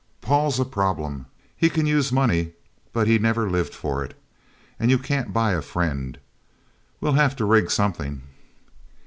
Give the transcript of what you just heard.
"Paul's a problem. He can use money, but he never lived for it. And you can't buy a friend. We'll have to rig something."